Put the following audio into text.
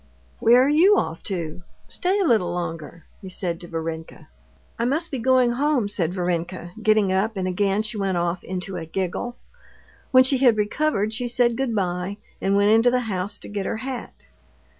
"Where are you off to? Stay a little longer," he said to Varenka. "I must be going home," said Varenka, getting up, and again she went off into a giggle. When she had recovered, she said good bye, and went into the house to get her hat.